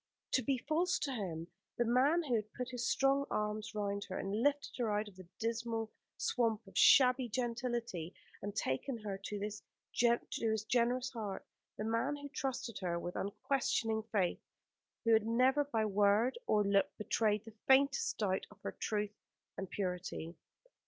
To be false to him the man who had put his strong arms round her and lifted her out of the dismal swamp of shabby gentility and taken her to his generous heart; the man who trusted her with unquestioning faith, who had never by word or look betrayed the faintest doubt of her truth and purity.